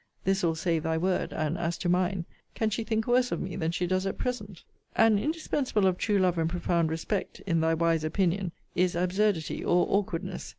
This will save thy word; and, as to mine, can she think worse of me than she does at present? An indispensable of true love and profound respect, in thy wise opinion,* is absurdity or awkwardness.